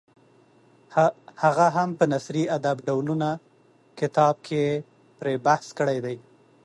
هغه هم په نثري ادب ډولونه کتاب کې پرې بحث کړی دی.